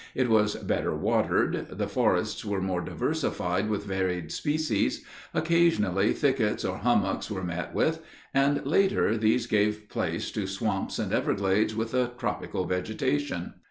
It was better watered, the forests were more diversified with varied species, occasionally thickets or hummocks were met with, and later these gave place to swamps and everglades with a tropical vegetation.